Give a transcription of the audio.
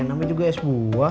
namanya juga es buah